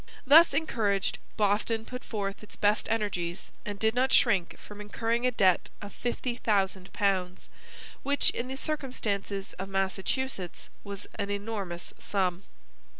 Thus encouraged, Boston put forth its best energies and did not shrink from incurring a debt of 50,000 pounds, which in the circumstances of Massachusetts was an enormous sum.